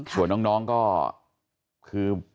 ส่วนน้องก็คือ